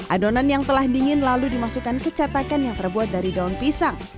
adonan yang telah dingin lalu dimasukkan ke catakan yang terbuat dari daun pisang